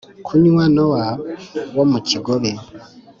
kunywa nowa wo mu kigobe